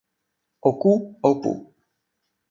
o ku. o pu.